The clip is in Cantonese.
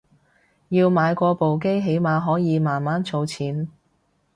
要買過部機起碼可以慢慢儲錢